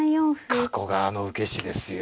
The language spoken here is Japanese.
加古川の受け師ですよ。